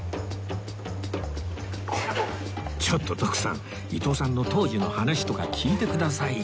ちょっと徳さん伊東さんの当時の話とか聞いてくださいよ